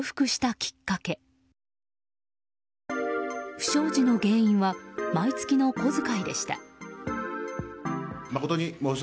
不祥事の原因は毎月の小遣いでした。